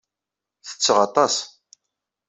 Setteɣ aṭas.